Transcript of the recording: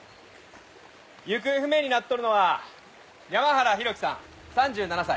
行方不明になっとるのは山原浩喜さん３７歳。